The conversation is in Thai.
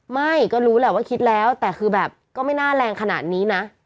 ไม่ก็รู้แหละว่าคิดแล้วแต่คือแบบก็ไม่น่าแรงขนาดนี้นะ